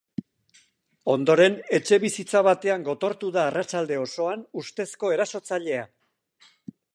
Ondoren, etxebizitza batean gotortu da arratsalde osoan ustezko erasotzailea.